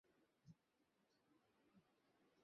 এলা খুব জোর করেই বললে, আমি কাজ পেয়েছি, কাজ করতেই যাব।